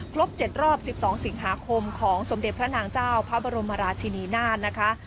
ครบ๗รอบ๑๒สิงหาคมของสมเด็จพระนางเจ้าพระบรมราชินีนาฏนะคะ